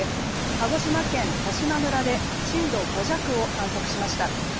鹿児島県十島村で震度５弱を観測しました。